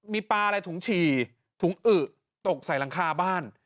มีปลาอะไรถุงฉี่ถุงอึตกใส่หลังคาบ้าน